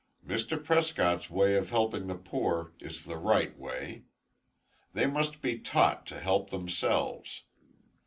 Mr. Prescott's way of helping the poor is the right way. They must be taught to help themselves.